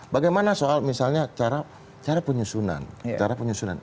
bagaimana soal misalnya cara penyusunan